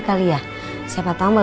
tapi tapi tau tadi